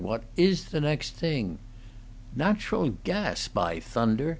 What is the next thing?" "Natural gas, by thunder!"